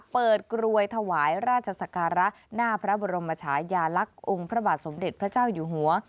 กรวยถวายราชศักระหน้าพระบรมชายาลักษณ์องค์พระบาทสมเด็จพระเจ้าอยู่หัว